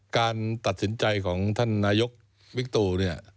การตัดสินใจของท่านนายกวิกตูเนี่ย